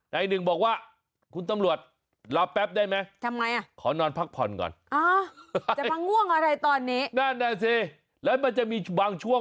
นายหนึ่งบอกว่าคุณตำรวจรับแป๊บได้มั้ย